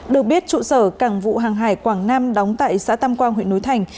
được biết trụ sở cảng vụ hàng hải quảng nam đóng tại xã tam quang huyện núi thành